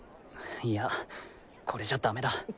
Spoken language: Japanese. いやこれじゃダメだ。